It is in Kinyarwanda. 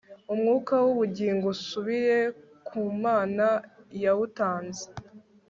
umwuka w'ubugingo usubire ku mana yawutanze